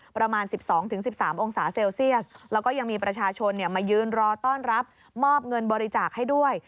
ประมาณ๑๒๑๓องศาเซลเซียสแล้วก็ยังมีประชาชนมายืนรอต้อนรับมอบเงินบริจาคให้ด้วย